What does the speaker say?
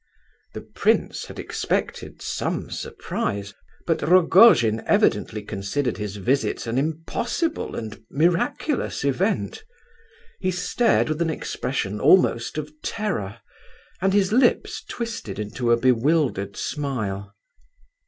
The prince had expected some surprise, but Rogojin evidently considered his visit an impossible and miraculous event. He stared with an expression almost of terror, and his lips twisted into a bewildered smile.